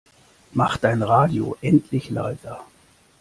Mach dein Radio endlich leiser!